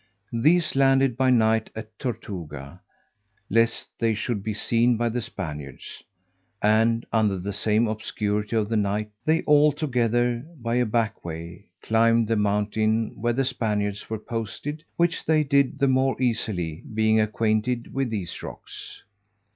These landed by night at Tortuga, lest they should be seen by the Spaniards; and, under the same obscurity of the night, they all together, by a back way, climbed the mountain where the Spaniards were posted, which they did the more easily being acquainted with these rocks.